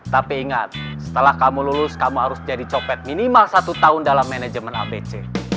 tapi ingat setelah kamu lulus kamu harus jadi copet minimal satu tahun dalam manajemen abc